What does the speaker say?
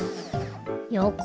よこ。